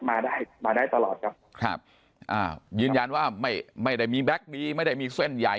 มาได้มาได้ตลอดครับครับอ่ายืนยันว่าไม่ไม่ได้มีแก๊กมีไม่ได้มีเส้นใหญ่